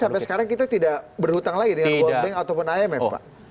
jadi sampai sekarang kita tidak berhutang lagi dengan world bank ataupun imf pak